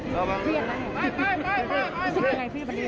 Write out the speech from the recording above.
รู้สึกยังไงพี่วันนี้